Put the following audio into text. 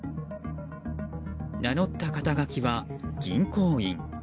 名乗った肩書は銀行員。